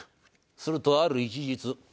するとある一日。